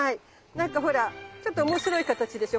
なんかほらちょっと面白い形でしょ。